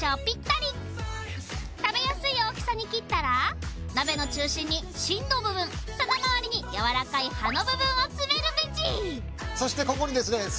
ぴったり食べやすい大きさに切ったら鍋の中心に芯の部分その周りにやわらかい葉の部分を詰めるベジそしてここにですね